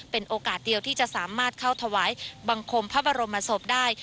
เป็นโอกาสเดียวที่จะสามารถเข้าถวายบังคมพระบรมศพได้